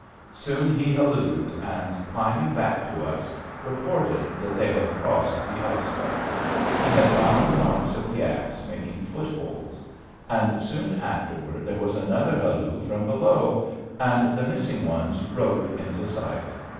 Soon he hallooed, and, climbing back to us, reported that they had crossed the ice bank. He had found the marks of the axe making footholds. And soon afterward there was another halloo from below, and the missing ones rode into sight.